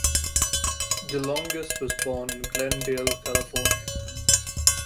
De Longis was born in Glendale, California.